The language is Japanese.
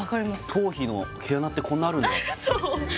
頭皮の毛穴ってこんなあるんだあっそう！